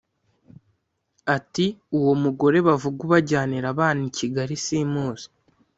Ati “Uwo mugore bavuga ubajyanira abana i Kigali simuzi